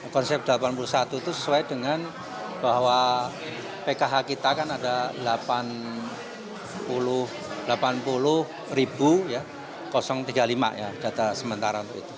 konsep delapan puluh satu itu sesuai dengan bahwa pkh kita kan ada delapan puluh tiga puluh lima ya data sementara